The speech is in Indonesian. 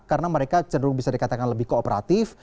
karena mereka cenderung bisa dikatakan lebih kooperatif